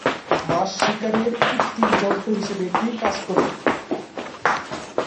মাছ শিকারের কৃত্রিম যন্ত্র হিসেবে এটি কাজ করে।